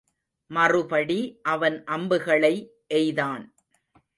மறுபடி அவன் அம்புகளை எய்தான்.